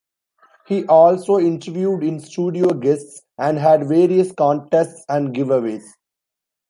He also interviewed in-studio guests and had various contests and giveaways.